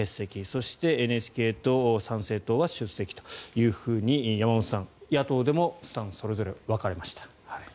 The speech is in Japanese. そしてＮＨＫ党、参政党は出席というふうに山本さん、野党でもそれぞれスタンスが分かれました。